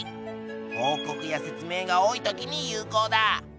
報告や説明が多い時に有効だ。